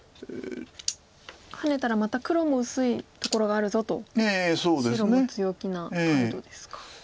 ハネたらまた黒も薄いところがあるぞと白も強気な態度ですか。